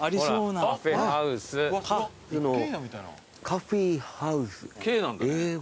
カフィーハウス。